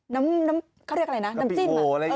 น้ำเขาเรียกอะไรนะน้ำจิ้ม